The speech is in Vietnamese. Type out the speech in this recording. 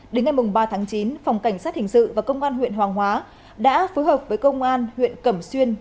đến ngày ba tháng chín phòng cảnh sát hình sự và công an huyện hoàng hóa đã phối hợp với công an huyện cẩm xuyên